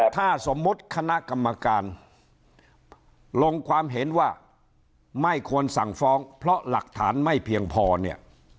ถ้าสมมุติคณะกรรมการลงความเห็นว่าไม่ควรสั่งฟ้องเพราะหลักฐานไม่เพียงพอเนี่ย